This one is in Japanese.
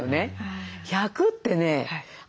１００ってね